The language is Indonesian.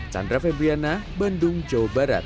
chandra febriana bandung jawa barat